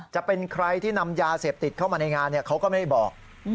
จะเป็นใครที่นำยาเสพติดเข้ามาในงานเขาก็ไม่ได้บอก